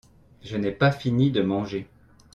Je n'ai pas fini de manger.